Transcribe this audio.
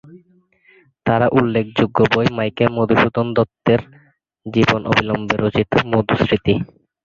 তার উল্লেখযোগ্য বই মাইকেল মধুসূদন দত্তের জীবন অবলম্বনে রচিত মধুস্মৃতি।